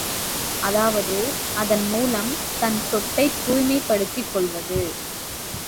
அதாவது அதன் மூலம் தன் சொத்தைத் தூய்மைப் படுத்திக் கொள்வது.